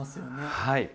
はい。